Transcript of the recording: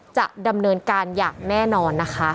จะดำเนินการอย่างแน่นอนนะคะ